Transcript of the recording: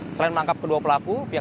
selain menangkap kedua pelaku pihak